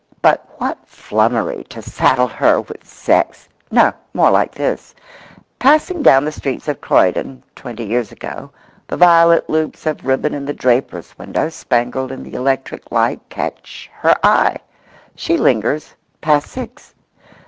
But what flummery to saddle her with sex! No—more like this. Passing down the streets of Croydon twenty years ago, the violet loops of ribbon in the draper's window spangled in the electric light catch her eye. She lingers—past six.